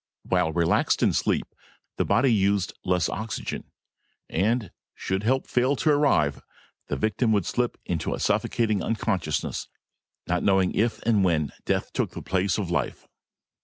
While relaxed in sleep, the body used less oxygen and should help fail to arrive, the victim would slip into a suffocating unconsciousness, not knowing if and when death took the place of life.